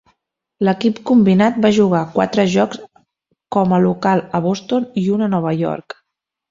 L'equip combinat va jugar quatre jocs com a local a Boston i un a Nova York.